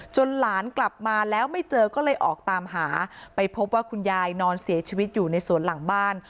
หลานกลับมาแล้วไม่เจอก็เลยออกตามหาไปพบว่าคุณยายนอนเสียชีวิตอยู่ในสวนหลังบ้าน